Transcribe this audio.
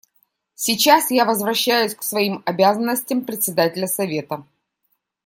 Сейчас я возвращаюсь к своим обязанностям Председателя Совета.